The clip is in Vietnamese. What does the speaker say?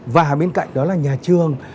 và bên cạnh đó là nhà trường